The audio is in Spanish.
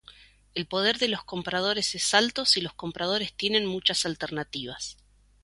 El poder de los compradores es alto si los compradores tienen muchas alternativas.